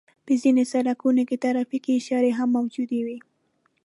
په ځينو سړکونو کې ترافيکي اشارې هم موجودې وي.